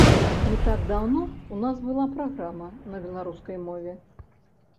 Не так даўно ў нас была праграма на беларускай мове.